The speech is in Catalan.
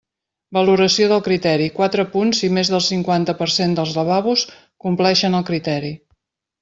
Valoració del criteri: quatre punts si més del cinquanta per cent dels lavabos compleixen el criteri.